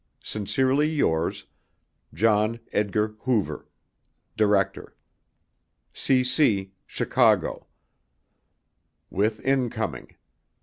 Sincerely yours, John Edgar Hoover Director cc Chicago (With incoming.